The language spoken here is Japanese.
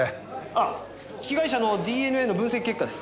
ああ被害者のＤＮＡの分析結果です。